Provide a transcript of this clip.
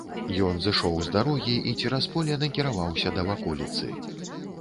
Ён зышоў з дарогі і цераз поле накіраваўся да ваколіцы.